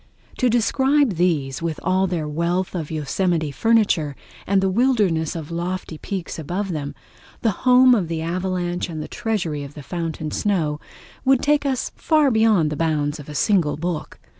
To describe these, with all their wealth of Yosemite furniture, and the wilderness of lofty peaks above them, the home of the avalanche and treasury of the fountain snow, would take us far beyond the bounds of a single book.